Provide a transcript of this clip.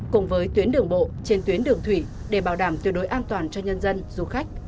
cùng với tuyến đường bộ trên tuyến đường thủy để bảo đảm tuyệt đối an toàn cho nhân dân du khách